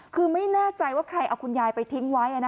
คือไม่แน่ใจว่าใครเอาคุณยายไปทิ้งไว้